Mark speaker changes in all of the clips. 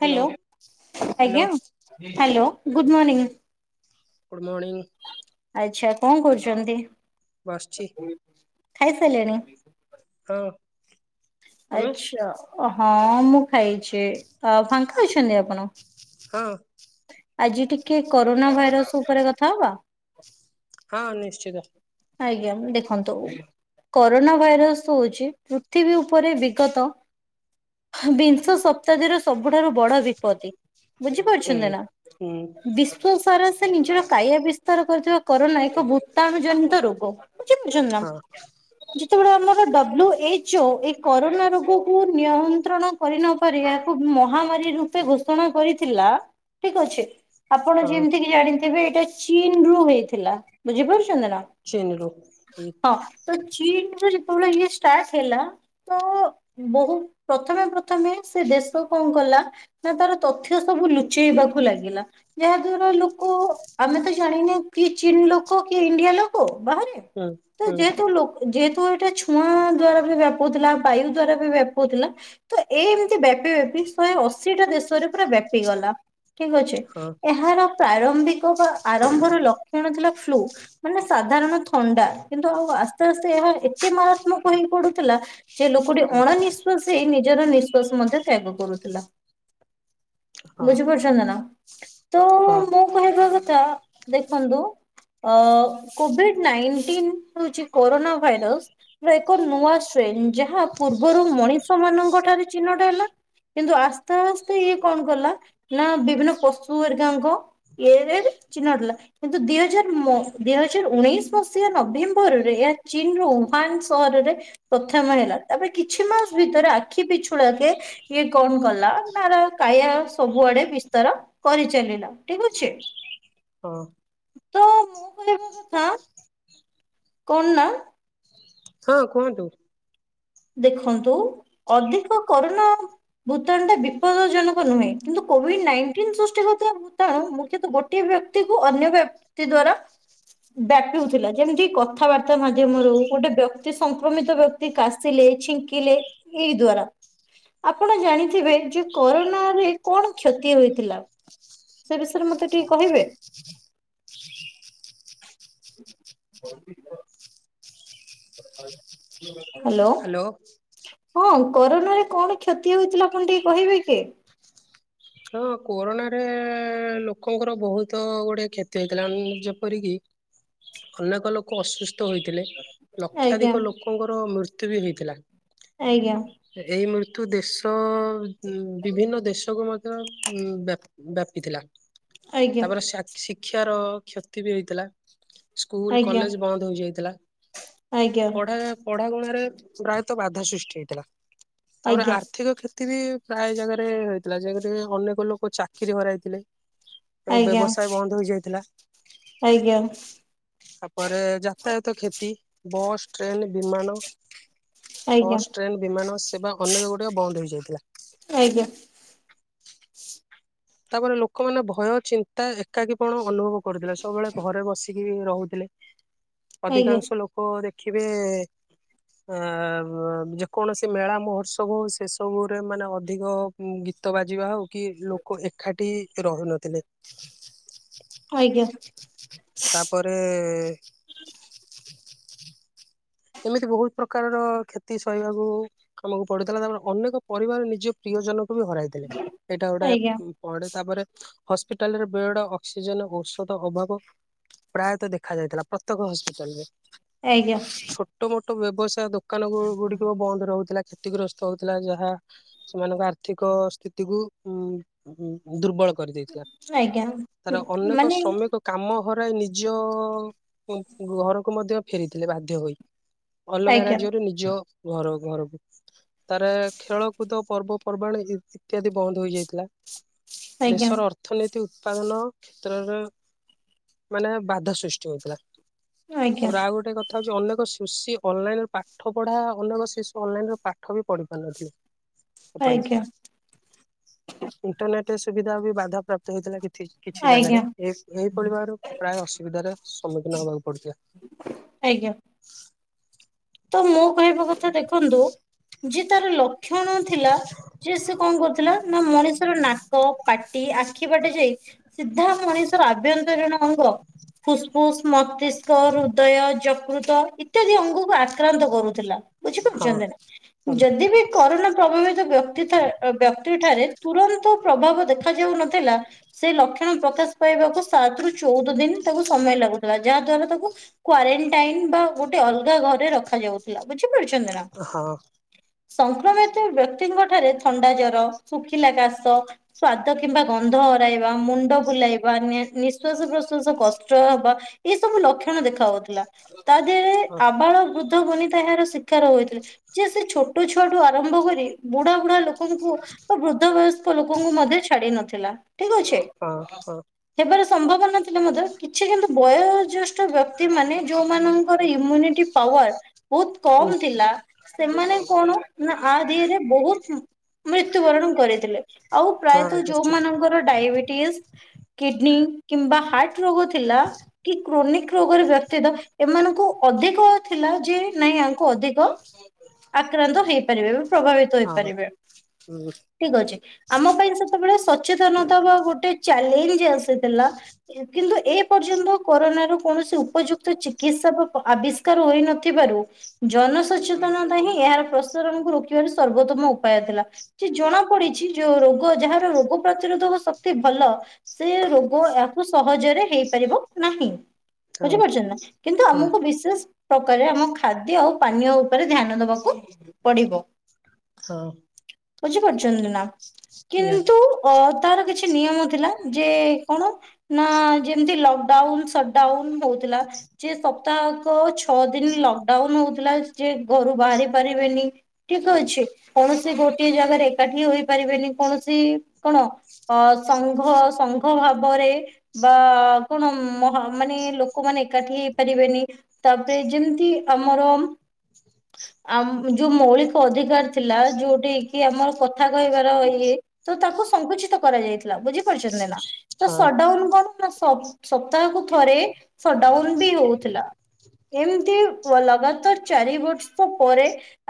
Speaker 1: Hello
Speaker 2: hello
Speaker 1: hello
Speaker 2: ଆଜ୍ଞା hello good morning.
Speaker 1: Good morning.
Speaker 2: ଆଛା କଣ କରୁଛନ୍ତି
Speaker 1: ବସିଛି
Speaker 2: ଖାଇ ସାଇଲେଣି?
Speaker 1: ହଁ। ତମେ
Speaker 2: ଆଛା ହଁ ମୁଁ ଖାଇଛି ଫାଙ୍କା ଅଛନ୍ତି ଆପଣ?
Speaker 1: ହଁ।
Speaker 2: ଆଜି ଟିକେ କରୋନା ଭାଇରସ ଉପରେ କଥା ହବା।
Speaker 1: ହଁ ନିଶ୍ଚିତ।
Speaker 2: ଆଜ୍ଞା ଦେଖନ୍ତୁ। କରୋନା ଭାଇରସ ହଉଛି ପୃଥିବୀ ଉପରେ ବିଗତ ବିଂଶ ଶତାବ୍ଦୀର ସବୁଠାରୁ ବଡ ବିପତ୍ତି।
Speaker 1: ହୁଁ
Speaker 2: ବୁଝିପାରୁଛଛନ୍ତି ନା?
Speaker 1: ହୁଁ
Speaker 2: ସାରା ସେ ନିଜର କାୟା ବିସ୍ତାର କରୁଥିବା କରୋନା ଏକ ଭୂତାଣୁ ଜନିତ ରୋଗ। ବୁଝିପାରୁଛନ୍ତି ନା?
Speaker 1: ହଁ
Speaker 2: ଯେତେବେଳେ ଆମର ଡବ୍ଲୁ ଏଚ ଓ ଏଇ କରୋନା ରୋଗ କୁ ନିୟନ୍ତ୍ରଣ କରିନପାରି ଏହାକୁ ମହାମାରୀ ରୂପେ ଘୋଷଣା କରିଥିଲା। ଠିକ ଅଛି। ଆପଣ
Speaker 1: ହଁ
Speaker 2: ଯେମିତିକି ଜାଣିଥିବେ ଏଇଟା ଚୀନରୁ ହେଇଥିଲା। ବୁଝିପାରୁଛନ୍ତିନା?
Speaker 1: ଚିନରୁ।
Speaker 2: ହଁ ତ ଚୀନର ଯେତେବେଳେ ଇଏ ଷ୍ଟାର୍ଟ ହେଲା। ତ ବହୁତ ପ୍ରଥମେ ପ୍ରଥମେ ସେ ଦେଶ କଣ କଲା? ନା ତାର ତଥ୍ୟ ସବୁ ଲୁଚେଇବାକୁ ଲାଗିଲା। ଯାହାଦ୍ଵାରା ଲୋକ ଆମେ ତ ଜାଣିନେ କି ଚୀନଲୋକ କି ଇଣ୍ଡିଆଲୋକ। ବାହାରେ
Speaker 1: ହୁଁ
Speaker 2: ତ
Speaker 1: ହୁଁ
Speaker 2: ଯେହେତୁ ଲୋ ଯେହେତୁ ଏଇଟା ଛୁଆଁ ଦ୍ଵାରା ବି ବ୍ୟାପୁଥିଲା ବାୟୁ ଦ୍ଵାରା ବି ବ୍ୟାପୁଥିଲା। ତ ଏ ଏମତି ବ୍ୟାପି ବ୍ୟାପି ଶହେ ଅଶିଟା ଦେଶରେ ପୁରା ବ୍ୟାପିଗଲା। ଠିକ ଅଛି
Speaker 1: ହଁ
Speaker 2: ଏହାର ପ୍ରାରମ୍ଭିକ ବା ଆରମ୍ଭର ଲକ୍ଷଣ ଥିଲା ଫ୍ଲୁ ମାନେ ସାଧାରଣ ଥଣ୍ଡା କିନ୍ତୁ ଆଉ ଆସ୍ତେଆସ୍ତେ ଏହା ଏତେ ମାରାତ୍ମକ ହେଇପଡ଼ୁଥିଲା। ସେ ଲୋକଟି
Speaker 1: ହଁ
Speaker 2: ଅଣନିଶ୍ଵାସ ହେଇ ନିଜର ନିଃଶ୍ଵାସ ମଧ୍ୟ ତ୍ୟାଗ କରୁଥିଲା।
Speaker 1: ହଁ
Speaker 2: ବୁଝି ପାରୁଛନ୍ତିନା ତ
Speaker 1: ହଁ।
Speaker 2: ମୁଁ କହିବା କଥା ଦେଖନ୍ତୁ, ଅ କୋଭିଡ ନାଇନଟିନ୍ ହଉଛି, କୋରୋନା ଭାଇରସ। ଏକ ନୂଆ ଷ୍ଟ୍ରେନ ଯାହା ପୂର୍ବରୁ ମଣିଷମାନଙ୍କଠାରେ ଚିହ୍ନଟ ହେଲା। କିନ୍ତୁ ଆସ୍ତେଆସ୍ତେ ଇଏ କଣ କଲା ନା ବିଭିନ୍ନ ପଶୁହେରିକାଙ୍କ ଏ ଏରିଆ ରେ କିଛି ନଥିଲା କିନ୍ତୁ ଦି ହଜାର ମ ଦି‌ ହଜାର। ଦି ହଜାର ଉଣେଇଶି ମସିହା ନଭେମ୍ବରରେ ଏହା ଚୀନର ଉହାନ ସହରରେ। ପ୍ରଥମ ହେଲା ତାପରେ କିଛି ମାସ ଭିତରେ ଆଖି ପିଛୁଳା କେ। ଇଏ କଣ କଲା ନା ଆର କାଇଆ ସବୁଆଡେ ବିସ୍ତାର। କରି ଚାଲିଲା ଠିକ ଅଛି।
Speaker 1: ହଁ।
Speaker 2: ତ ମୁଁ କହିବା କଥା। କଣ ନା।
Speaker 1: ହଁ କୁହନ୍ତୁ।
Speaker 2: ଦେଖନ୍ତୁ ଅଧିକ କରୋନା। ଭୂତାଣୁ ଟା ବିପଦଜନକ ନୁହେଁ କିନ୍ତୁ କୋଭିଡ଼ ନାଇଟିନ ସୃଷ୍ଟି ହବାରୁ। ତ ମୁଖ୍ୟତଃ ଗୋଟିଏ ବ୍ୟକ୍ତିକୁ ଅନ୍ୟ ବ୍ୟକ୍ତି ଦ୍ଵାରା। ବ୍ୟାପୁଥିଲା ଯେମିତି କଥାବାର୍ତ୍ତା ମାଧ୍ୟମରୁ ଗୋଟେ ବ୍ୟକ୍ତି ସଂକ୍ରମିତ ବ୍ୟକ୍ତି କାସ ସି ଲେ‌ ଛିଙ୍କିିଲେ ଏଇ ଦ୍ଵାରା। ଆପଣ ଜାଣିଥିବେ, ଯେ କରୋନା ରେ କଣ କ୍ଷତି ହୋଇଥିଲା। ସେ ବିଷୟରେ ମତେ ଟିକେ କହିବେ।
Speaker 1: ଜ
Speaker 2: ହାଲୋ।
Speaker 1: ହ୍ୟାଲୋ
Speaker 2: ହଁ କରୋନା ରେ କଣ କ୍ଷତି ହୋଇଥିଲା, ଆପଣ ଟିକେ କହିବେ କି।
Speaker 1: ହଁ କୋରୋନାରେ ଲୋକଙ୍କର ବହୁତ ଗୁଡେ କ୍ଷତି ହେଇଥିଲା, ଯେପରିକି। ଅନେକ ଲୋକ ଅସୁସ୍ ସ୍ଥ ହୋଇଥିଲେ,
Speaker 2: ଆଜ୍ଞା
Speaker 1: ଲକ୍ଷାଧିକ ଲୋକଙ୍କର ମୃତ୍ୟୁ ବି ହୋଇଥିଲା।
Speaker 2: ଆଜ୍ଞା।
Speaker 1: ଏଇ ମୃତ୍ୟୁ ଦେଶ ଉଁ ବିଭିନ୍ନ ଦେଶକୁ ମ ଧ୍ୟ ଉଁ ବ୍ୟା ବ୍ୟାପିଥିଲା
Speaker 2: ଆଜ୍ଞା
Speaker 1: ତାପରେ ସା ଶିକ୍ଷାର କ୍ଷତି ବି ହୋଇଥିଲା। ସ୍କୁଲ କଲେଜ ବନ୍ଦ ହେଇଯାଇଥିଲା।
Speaker 2: ଆଜ୍ଞା
Speaker 1: ପଢା ପଢା ଗଣାରେ ପ୍ରାୟତଃ ବାଧା ସୃଷ୍ଟି ହେଇଥିଲା। ତାପରେ
Speaker 2: ଆଜ୍ଞା
Speaker 1: ଆର୍ଥିକ କ୍ଷେ କ୍ଷତି ବି ପ୍ରାୟ ଜାଗାରେ ହେଇଥିଲା। ଜାଗାରେ ଅନେକ ଲୋକ ଚାକିରୀ ହରାଇଥିଲେ। ଏବଂ
Speaker 2: ଆଜ୍ଞା
Speaker 1: ବ୍ୟବସାୟ ବନ୍ଦ ହେଇଯାଇଥିଲା।
Speaker 2: ଆଜ୍ଞା ଆଜ୍ଞା
Speaker 1: ତାପରେ ଯାତାୟାତ କ୍ଷତି ବସ୍ ଟ୍ରେନ ବିମାନ।
Speaker 2: ଆଜ୍ଞା
Speaker 1: ବସ୍ ଟ୍ରେନ୍ ବିମାନ ସେବା ଅନେକ ଗୁଡଏ ବନ୍ଦ ହୋଇଯାଇଥିଲା।
Speaker 2: ଆଜ୍ଞା।
Speaker 1: ତାପରେ ଲୋକମାନେ ଭୟ ଚିନ୍ତା ଏକାକୀ ପଣ ଅନୁଭବ କରୁଥିଲେ, ସବୁବେଳେ ଘରେ ବସିକି। ରହୁଥିଲେ
Speaker 2: ଆଜ୍ଞା
Speaker 1: ଅଧିକାଂଶ ଲୋକ ଦେଖିବେ। ଆ ବ ଯେକୌଣସି ମେଳା ମହୋତ୍ସବ ସେସବୁରେ ମାନେ ଅଧିକ। ଗୀତ ବାଜିବା ହଉ କି ଲୋକ ଏକାଠି ରହୁନଥିଲେ।
Speaker 2: ଆଜ୍ଞା।
Speaker 1: ତାପରେ। ଏମିତି ବହୁତ ପ୍ରକାରର କ୍ଷତି ସହିବାକୁ। ଆମକୁ ପଡୁଥିଲା ତାପରେ ଅନେକ ପରିବାର ନିଜ ପ୍ରିୟ ଜନଙ୍କୁ ବି ହରାଇଥିଲେ। ଏଇଟା ଗୋଟା
Speaker 2: ଆଜ୍ଞା
Speaker 1: ଉଁ ପଡେ ତାପରେ ହସ୍ପିଟାଲରେ ବେଡ ଅକ୍ସିଜେନ ଔଷଧ ଅଭାବ। ପ୍ରାୟତଃ ଦେଖା ଯାଇଥିଲା ପ୍ରତ୍ୟେକ ହସ୍ପିଟାଲ ରେ।
Speaker 2: ଆଜ୍ଞା।
Speaker 1: ଟୋ ମୋଟ ବ୍ୟବସାୟ ଦୋକାନ ଗୁ ଗୁଡିକ ବନ୍ଦ ରହୁଥେଲା କ୍ଷ ତିଗ୍ରସ୍ତ ହଉଥିଲା ଯାହା ସେମାନଙ୍କ ଆର୍ଥିକ ସ୍ଥିତିକୁୁ ଉଁ ଉଁ ଦୁର୍ବଳ କରିଦେଇଥିଲା
Speaker 2: ଆଜ୍ଞା
Speaker 1: ତାପରେ ଅନେକ
Speaker 2: ମାନେ
Speaker 1: ଶ୍ରମିକ କାମ ହରାଇ ନିଜ ଉଁ ଘରକୁ ମଧ୍ୟ ଫେରିଥିଲେ ବାଧ୍ୟ ହୋଇ। ଅଲଗା
Speaker 2: ଆଜ୍ଞା
Speaker 1: ରାଜ୍ୟରୁ ନିଜ ଘର ଘରକୁ ତାପରେ ଖେଳକୁଦ ପର୍ବପର୍ବାଣ ଇ ଇତ୍ୟାଦି ବନ୍ଦ ହୋଇଯାଇଥିଲା
Speaker 2: ଆଜ୍ଞା
Speaker 1: ଦେଶର ଅର୍ ଥନୀତି ଉତ୍ପାଦନ କ୍ଷେତ୍ରରେ ମାନେ ବାଧା ସୃଷ୍ଟି ହଉଥିଲା।
Speaker 2: ଆଜ୍ଞା
Speaker 1: ତାପରେ ଆଉ ଗୋଟେ କଥା ହଉଛି ଅନେକ ସ୍ କୃଷି ଅନଲାଇନରେ ପାଠ ପଢା ଅନେକ ଶିଶୁ ଅନଲାଇନରେ ପାଠ ବି ପଢି ପାରୁନଥିଲେ।
Speaker 2: ଆଜ୍ଞା
Speaker 1: ଏପରିକି ଇଣ୍ଟରନେଟେ ସୁବିଧା ବି ବାଧା ପ୍ରାପ୍ତ ହେଉଥିଲା କିଥି କିଛି ଜାଗାରେ
Speaker 2: ଆଜ୍ଞା
Speaker 1: ଏ ଏହିପରି ଭାବେରେ ପ୍ରାୟ ଅସୁବିଧାର ସମ୍ମୁଖୀନ ହବାକୁ ପଡୁଥିଲା।
Speaker 2: ଆଜ୍ଞା।
Speaker 1: [unintelligible]
Speaker 2: ତ ମୋ କହିବା କଥା ଦେଖନ୍ତୁ ଯେ ତାର ଲକ୍ଷଣ ଥିଲା ଯେ ସେ କଁ କରୁଥିଲା ନା ମଣିଷର ନାକ ପାଟି ଆଖି ବାଟେ ଯାଇ ସିଧା ମଣିଷର ଆଭ୍ୟନ୍ତରୀଣ ଅଙ୍ଗ ଫୁସଫୁସ୍ ମତିଷ୍କ ହୃଦୟ ଯକୃତ ଇତ୍ୟାଦି ଅଙ୍ଗକୁ ଆ କ୍ରାନ୍ତ କରୁଥିଲା
Speaker 1: ହଁ
Speaker 2: ବୁଝିପାରୁଛନ୍ତି ନା
Speaker 1: ହଁ
Speaker 2: ଯଦି ବି କରୋନା ପ୍ରଭାବିତ ବ୍ୟକ୍ତି ଠା ଆ ବ୍ୟକ୍ତି ଠାରେ ତୁରନ୍ତ ପ୍ରଭାବ ଦେଖାଯାଉନଥିଲା ସେ ଲକ୍ଷଣ ପ୍ରକାଶ ପାଇବାକୁ ସାତରୁ ଚଉଦ ଦିନ ତାକୁ ସମୟ ଲାଗୁଥିଲା ଯାହା ଦ୍ଵାରା ତାକୁ କ୍ୱାରେନଣ୍ଟାଇନ୍ ବା ଗୋଟେ ଅଲଗା ଘରେ ରଖାଯାଉଥିଲା ବୁଝିପାରୁଛନ୍ତି ନା।
Speaker 1: ହଁ।
Speaker 2: ସଂକ୍ରମିତ ବ୍ୟକ୍ତିଙ୍କ ଠାରେ ଥଣ୍ଡା ଜର ଶୁଖିଲା କାଶ ସ୍ଵାଦ କିମ୍ବା ଗନ୍ଧ ହରାଇବା ମୁଣ୍ଡ ବୁଲାଇବା ନି ନିଶ୍ୱାସ ପ୍ରଶ୍ଵାସ କଷ୍ଟ ହବା ଇଏ ସବୁ ଲକ୍ଷଣ ଦେଖା ହଉଥିଲା ତା ଧିଏରେ
Speaker 1: ହଁ
Speaker 2: ଆବାଳ ବୃ ଦ୍ଧ ବନିତା ଏହାର ଶିକାର ହଉଥିଲେ ଯେ ସେ ଛୋଟ ଛୁଆଠୁ ଆରମ୍ଭ କରି ବୁଢା ବୁଢା ଲୋ କଙ୍କୁ ବା ବୃଦ୍ଧ ବୟସ୍କ ଲୋକଙ୍କୁ ମଧ୍ୟ ଛାଡି ନଥିଲା ଠିକ୍ ଅଛି।
Speaker 1: ହଁ ହଁ
Speaker 2: ହେବାର ସମ୍ଭବ ନ ଥିଲେ ମଧ୍ୟ କିଛି କିନ୍ତୁ ବୟଜ୍ୟେଷ୍ଠ ବ୍ୟକ୍ତିମାନେ ଯୋଉମାନଙ୍କର ଇମୁନିଟି ପାୱାର ବୋହୁତ କମ୍ ଥିଲା ସେମାନେ କଣ ନା ଆ ଧିଏରେ ବୋହୁତ ଉଁ ମୃତ୍ୟୁବରଣ କରିଥିଲେ ଆଉ
Speaker 1: ହଁ
Speaker 2: ପ୍ରାୟତଃ
Speaker 1: ନିଶ୍ଚିତ
Speaker 2: ଯୋଉମାନଙ୍କର ଡାଇବେଟିସ୍ କିଡନୀ କିମ୍ବା ହାର୍ଟ ରୋଗ ଥିଲା କି କ୍ରୋନିକ ହୁଁ ରୋଗରେ ବ୍ୟଥିତ ଏମାନଙ୍କୁ ଅଧିକ ଥିଲା ଯେ ନାଇଁ ଆଙ୍କୁ ଅଧିକ ଆକ୍ରାନ୍ତ ହେଇପାରିବେ। ପ୍ରଭାବିତ
Speaker 1: ହଁ
Speaker 2: ହେଇପାରିବେ। ଠିକ୍ ଅଛି ଆମ ପାଇଁ ସେତେବେଳେ ସଚେତନତା ବା ଗୋଟେ ଚ୍ୟାଲେଞ୍ଜ୍ ଆସିଥିଲା କିନ୍ତୁ ଏ ପର୍ଯ୍ୟନ୍ତ କରୋନାର କୌଣସି ଉପଯୁକ୍ତ ଚିକିତ୍ସା ବା ପ ଆବିଷ୍କାର ହୋଇ ନଥି ତିବାରୁ ଜନସଚେତନତା ହିଁ ଏହାର ପ୍ରସାରଣକୁ ରୋକିବାର ସର୍ବୋତ୍ତମ ଉପାୟ ଥେଲା। ଯେ ଜଣା ପଡିଛି ଯୋଉ ରୋଗ ଯାହାର ରୋଗ ପ୍ରତିରୋଧକ ଶକ୍ତି ଭଲ ସେ ରୋଗ ଆକୁ ସହଜେରେ ହେଇପାରିବ ନାହିଁ।
Speaker 1: ହଁ
Speaker 2: ବୁଝିପାରୁଛନ୍ତି ନା କିନ୍ତୁ
Speaker 1: ହଁ
Speaker 2: ଆମୁକୁ ବିଶେଷ କରି ଆମ ଖାଦ୍ୟ ଆଉ ପାନୀୟ ଉପରେ ଧ୍ୟାନ ଦବାକୁ ପଡିବ।
Speaker 1: ହଁ।
Speaker 2: ବୁଝିପାରୁଛନ୍ତି ନା
Speaker 1: ନିହାତି
Speaker 2: କିନ୍ତୁ ଓ ତାର କିଛି ନିୟମ ଥିଲା ଯେ କଣ ନା ଯେମତି ଲକଡାଉନ୍ ସଟଡାଉନ୍ ରହୁଥିଲା ଯେ ସପ୍ତାହକ ଛଅ ଦିନ ଲକଡାଉନ୍ ହଉ ମା ଯେ ଘରୁ ବାହାରି ପାରିବେନି ଠିକ୍ ଅଛି କୌଣସି ଗୋଟିଏ ଜାଗାରେ ଏକାଠି ହୋଇପାରିବେନି କୌଣସି କଣ ଅ ସଂଘ ସଂଘ ଭାବରେ ବା କଣ ମାନେ ମାନେ ଲୋକମାନେ ଏକାଠି ହେଇପାରିବେନି। ତାପରେ ଯେମିତି ଆମର ଆମ ଯୋଉ ମୌଳିକ ଅଧିକାର ଥିଲା ଯୋଉଠି କି ଆମର କଥା କହିବାର ଇଏ ତ ତାକୁ ସଂଙ୍କୁଚିତ କରାଯାଇଥିଲା ବୁଝିପାରୁଛନ୍ତି ନାଁ ତ
Speaker 1: ହଁ
Speaker 2: ସଟଡାଉନ କଣ ନା ସପ୍ତାହକୁ ଥରେ ସଟଡାଉନ ବି ହୋଉଥିଲା। ଏମିତି ଲଗାତାର ଚାରି ବର୍ଷ ପରେ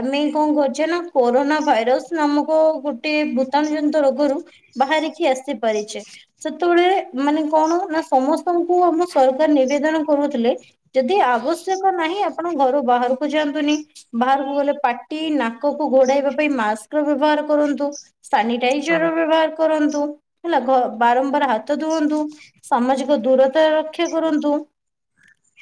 Speaker 2: ଆମେ କଣ କରିଚେ ନାଁ କୋରୋନା ଭାଇରସ ନାମକ ଗୋଟେ ଭୂତାଣୁ ଜନିତ ରୋଗରୁ ବାହାରିକି ଆସିପାରିଚେ। ସେତେବେଳେ ମାନେ କଣ ନା ସମସ୍ତଙ୍କୁ ଆମ ସରକାର ନିବେଦନ କରୁଥିଲେ। ଯଦି ଆବଶ୍ୟକ ନାହିଁ ଆପଣ ଘରୁ ବାହାରକୁ ଯାଆନ୍ତୁନି। ବାହାରକୁ ଗଲେ ପାଟି ନାକକୁ ଘୋଡାଇବା ପାଇଁ ମାସ୍କ ବ୍ୟବହାର କରନ୍ତୁ ସାନି
Speaker 1: ହଁ
Speaker 2: ଏଇଚରର ବ୍ୟବହାର କରନ୍ତୁ ହେଲା ବାରମ୍ବାର ହାତ ଧୁଅନ୍ତୁ। ସାମାଜିକ ଦୂରତା ରକ୍ଷା କରନ୍ତୁ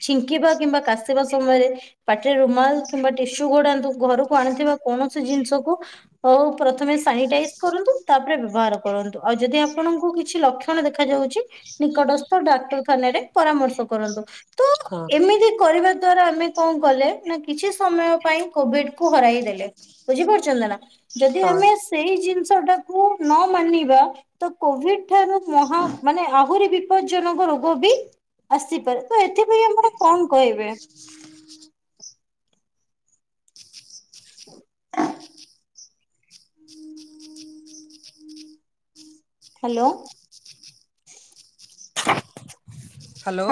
Speaker 2: ଛିଙ୍କିବା କିମ୍ବା କାଶିବା ସମୟରେ ପାଟିରୁ ରୁମାଲ୍ କିମ୍ବା ଟିସୁ ଗୋଡାନ୍ତୁ ଘରକୁ ଆଣିୁଥିବା କୌଣସି ଜିନିଷକୁ ହୋଉ ପ୍ରଥମେ ସାନିଟାଇଜ୍ କରନ୍ତୁ ତାପରେ ବ୍ୟବହାର କରନ୍ତୁ ଆଉ ଯଦି ଆପଣଙ୍କୁ କିଛି ଲକ୍ଷ ଲକ୍ଷଣ ଦେଖାଯାଉଛି ନିକଟସ୍ଥ ଡାକ୍ତରଖାନାରେ ପରାମର୍ଶ କରନ୍ତୁ ତ
Speaker 1: ହଁ
Speaker 2: ଏମିତି କରିବା ଦ୍ଵାରା ଆମେ କଣ କଲେ ନା କିଛି ସମୟ ପାଇଁ କୋଭିଡ୍ କୁ ହରାଇ ଦେଲେ ବୁଝିପାରୁଛନ୍ତି ନା ଯଦି
Speaker 1: ହଁ
Speaker 2: ଆମେ ସେଇ ଜିନିଷ ଟାକୁ ନ ମାନିବା ତ କୋଭିଡ୍ ଠାରୁ ମହା ମାନେ ଆହୁରି ବି ବିପର୍ଯ୍ୟଜନକ ରୋଗ ବି ଆସିପାରେ ତ ଏଥିପାଇଁ ଆପଣ କଣ କହିବେ? ହ୍ୟାଲୋ।
Speaker 1: ହ୍ୟାଲୋ।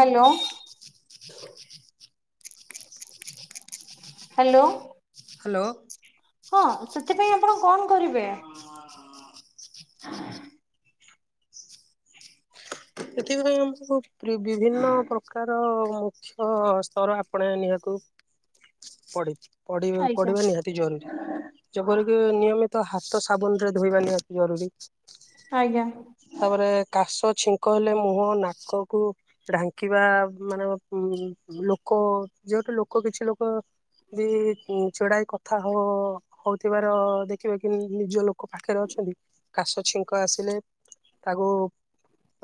Speaker 2: ହ୍ୟାଲୋ।
Speaker 1: ହ୍ୟାଲୋ।
Speaker 2: ହଁ ସେଥିପାଇଁ ଆପଣ କଣ କରିବେ?
Speaker 1: ହଁ ହଁ ହଁ। ସେଥିପାଇଁ ଆମ ସବୁ ବିଭିନ୍ନ ପ୍ରକାର ମୁଁ ହଁ ସ୍ତର ଆପଣା ନିଆଁକୁ ପଢ଼ି ପଢ଼ିବେ
Speaker 2: ଆଜ୍ଞା।
Speaker 1: ପଡିବ ନିହାତି। ନିହାତି ଜରୁରୀ ଯେପରିକି ନିୟମିତ ହାତ ସାବୁନ ରେ ଧୋଇବା ନିହାତି ଜରୁରୀ।
Speaker 2: ଆଜ୍ଞା।
Speaker 1: ତାପରେ କାଶ ଛିଙ୍କ ହେଲେ ମୁହଁ ନାକକୁ ଢାଙ୍କିବା ମାନେ ଉଁ ଲୋକ ଯୋଉଠୁ ଲୋକ କିଛି ଲୋକ ଯୋଉ ଛଡ଼ାଏ କଥା ହବ। ହୋଉଥିବାର ଦେଖିବା କି ନିଜ ଲୋକ ପାଖରେ ଅଛନ୍ତି କାଶ ଛିଙ୍କ ଆସିଲେ ତାକୁ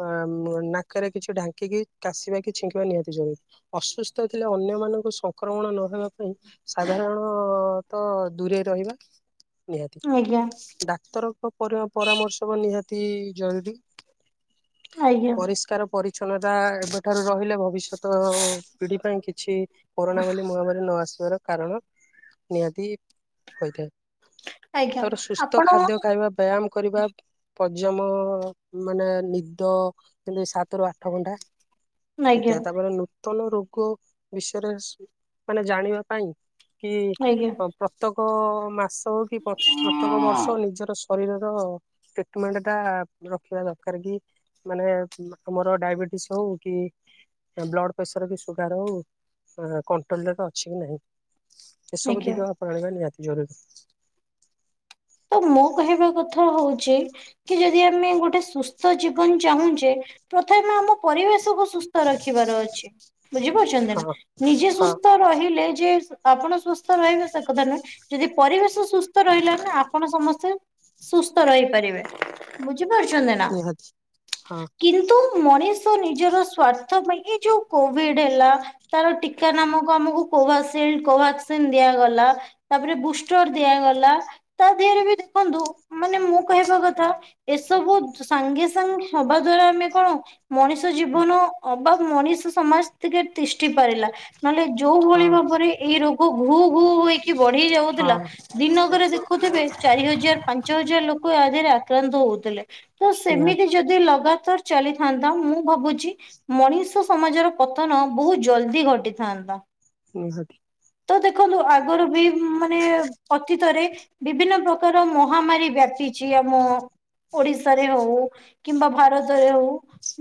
Speaker 1: ଅ ନାକରେ କିଛି ଢାଙ୍କିକି କାଶିବା କି ଛିଙ୍କିବା ନିହାତି ଜରୁରୀ। ଅସୁସ୍ଥ ଥିଲେ ଅନ୍ୟମାନଙ୍କୁ ସଂକ୍ରମଣ ନ ହେବା ପାଇଁ ସାଧାରଣ ତ ଦୂରେଇ ରହିବା। ନିହାତି
Speaker 2: ଆଜ୍ଞା
Speaker 1: ଡାକ୍ତରଙ୍କ ପର-ପରାମର୍ଶ ନିହାତି ଜରୁରୀ।
Speaker 2: ଆଜ୍ଞା
Speaker 1: ପରିଷ୍କାର ପରିଚ୍ଛନ୍ନତା ଏବେଠାରୁ ରହିଲେ ଭବିଷ୍ୟତ ପିଢ଼ି ପାଇଁ କିଛି କରୋନା ଭଳି ମହାମାରୀ ନ ଆସିବାର କାରଣ ନିହାତି ହୋଇଥାଏ।
Speaker 2: ଆଜ୍ଞା
Speaker 1: ତାର ସୁସ୍ଥ
Speaker 2: ଆପଣ
Speaker 1: ଖାଦ୍ୟ ଖାଇବା ବ୍ୟାୟାମ କରିବା ପଜମ ମାନେ ନି ଦ କେମିତି ସାତରୁ ଆଠ ଘଣ୍ଟା।
Speaker 2: ଆଜ୍ଞା
Speaker 1: ଇତି ତାପରେ ତନୁ ରୋଗ ବିଷୟରେ ମାନେ ଜାଣିବା ପାଇଁ କି
Speaker 2: ଆଜ୍ଞା
Speaker 1: ପ୍ରତ୍ୟେକ ମାସ କି ପ୍ରତେ ପ୍ରତ୍ୟେକ ବର୍ଷ ନିଜର ଶରୀରର ଟ୍ରିଟମେଣ୍ଟ ଟା ରଖିବା ଦରକାର କି। ମାନେ ଆମର ଡାଇବେଟିସ ହଉ କି ବ୍ଲଡ଼ ପ୍ରେସର କି ସୁଗାର ହଉ କଣ୍ଟ୍ରୋଲରେ ଅଛି କି ନାହିଁ। ଏସବକୁ
Speaker 2: ଆଜ୍ଞା।
Speaker 1: ଦିଗ ଆପଣେଇବା ନିହାତି ଜରୁରୀ।
Speaker 2: ତ ମୋ କହିବା କଥା ହଉଛି କି ଯଦି ଆମେ ଗୋଟେ ସୁସ୍ ସୁସ୍ଥ ଜୀବନ ଚାହୁଁଛେ ପ୍ରଥମେ ଆମ ପରିବେଶକୁ ସୁସ୍ଥ ସୁସ୍ଥ ରଖିବାର ଅଛି ବୁଝିପାରୁଛନ୍ତି ନା
Speaker 1: ହଁ
Speaker 2: ନିଜେ
Speaker 1: ହଁ
Speaker 2: ସୁସ୍ଥ ରହିଲେ ଯେ ଆପଣ ସୁସ୍ଥ ରହିବେ ସେ କଥା ନୁହେଁ ଯଦି ପରିବେଶ ସୁସ୍ଥ ରହିଲାନା ଆପଣ ସମସ୍ତେ ସୁସ୍ଥ ରହିପାରିବେ ବୁଝିପାରୁଛନ୍ତି ନା।
Speaker 1: ନିହାତି ହଁ
Speaker 2: କିନ୍ତୁ ମଣିଷ ନିଜର ସ୍ଵାର୍ଥ ପାଇଁ ଏ ଯୋଉ କୋଭିଡ଼ ହେଲା ତାର ଟୀକା ନାମକ ଆମକୁ କୋଭସିଡ୍ କୋଭାକ୍ସିନ୍ ଦିଆଗଲା। ତାପରେ ବୁଷ୍ଟର ଦିଆଗଲା ତା ଦେହରେ ବି ଦେଖନ୍ତୁ ମାନେ ମୁଁ କହିବା କଥା ଏସବୁ ସାଙ୍ଗେ ସାଙ୍ଗେ ହେବା ଦ୍ଵାରା ଆମେ କଣ ମଣିଷ ଜୀବନ ଅବା ମଣିଷ ସମାଜ ଟିକେ ତିଷ୍ଠି ପାରିଲା। ନହେଲେ ଯୋଉ
Speaker 1: ହଁ
Speaker 2: ଭଳି ଭାବରେ ଏଇ ରୋଗ ଘୁ ଘୁ ହେଇକି ବଢ଼ି
Speaker 1: ହଁ
Speaker 2: ଯାଉଥିଲା ଦିନକରେ ଦେଖ ହଉଥିବେ ଚାରି ହଜାର ପାଞ୍ଚ ହଜାର ଲୋକ ଆ ଦେହରେ ଆକ୍ରାନ୍ତ ହଉଥିଲେ। ତ ସେମିତି
Speaker 1: ନିହାତି
Speaker 2: ଯଦି ଲଗାତାର ଚାଲିଥାନ୍ତା ମୁଁ ଭାବୁଛି ମଣିଷ ସମାଜର ପତନ ବହୁତ ଜଲଦି ଘଟିଥାନ୍ତା।
Speaker 1: ହଁ ସେଠି
Speaker 2: ତ ଦେଖନ୍ତୁ ଆଗରୁ ବି ମାନେ ଅତିତରେ ବିଭିନ୍ନ ପ୍ରକାର ମହାମାରୀ ବ୍ୟାପିଛି ଆମ ଓଡ଼ିଶାରେ ହଉ କିମ୍ବା ଭାରତରେ ହଉ।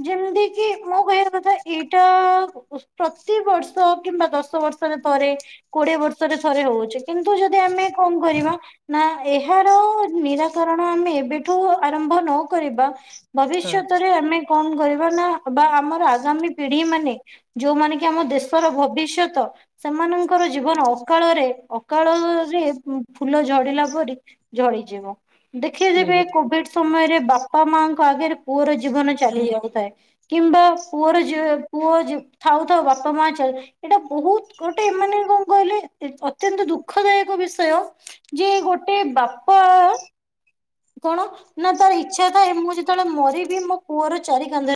Speaker 2: ଯେମିତି କିି ମୋ କହିବା କଥା ଏଇଟା ପ୍ରତି ବର୍ଷ କିମ୍ବା ଦଶ ବର୍ଷରେ ଥରେ କୋଡ଼ିଏ ବର୍ଷରେ ଥରେ ହଉଛି। କିନ୍ତୁ ଯଦି ଆମେ କଣ କରିବା ନା ଏହାର ନିରାକରଣ ଆମେ ଏବେଠୁ ଆରମ୍ଭ ନ କରିବା
Speaker 1: ହଁ
Speaker 2: ଭବିଷ୍ୟତରେ ଆମେ କଣ କରିବା ନା ବା ଆମର ଆଗାମୀ ପିଢ଼ି ମାନେ ଯୋଉମାନେ କି ଆମ ଦେଶର ଭବିଷ୍ୟତ। ସେମାନଙ୍କର ଜୀବନ ଅକାଳରେ ଅକାଳରେ ଉ ଫୁଲ ଝଡ଼ିଲା ପରି ଝଡ଼ି ଯିବ। ଦେଖିବେ ଯେବେ
Speaker 1: ନିହାତି।
Speaker 2: କୋଭିଡ଼ ସମୟରେ ବାପା ମାଙ୍କ ଆଗରେ ପୁଅର ଜୀବନ ଚାଲି ଯାଉଥାଏ। କିମ୍ବା ପୁଅର ଯ ପୁଅ ଥାଉ ଥାଉ ବାପା ମା ଚାଲ ଏଇଟା ବହୁତ ଗୋଟେ ଏମାନେ କଣ କହିଲେ ଏ ଅତ୍ୟନ୍ତ ଦୁଃଖଦାୟକ ବିଷୟ ଯେ ଗୋଟେ ବାପା କଣ ନା ତାର ଇଚ୍ଛା ଥାଏ ମୁଁ ଯେତେବେଳେ ମରିବି ମୋ ପୁଅର ଚାରି କାନ୍ଧ ରେ